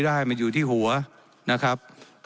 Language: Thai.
และยังเป็นประธานกรรมการอีก